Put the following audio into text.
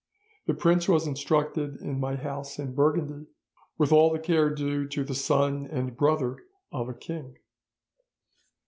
The prince was instructed in my house in Burgundy, with all the care due to the son and brother of a king.